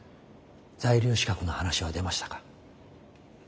在留資格の話は出ましたか？